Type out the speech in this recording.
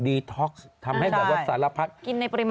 ดีท็อกซ์ทำให้รวดสารรับพรรดิ